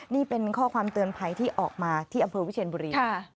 นี่เป็นข้อความเตือนภัยที่ออกมาที่อำเภอวิเชียนบุรี